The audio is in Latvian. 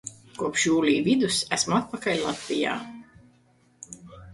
Kopš jūlija vidus esmu atpakaļ Latvijā.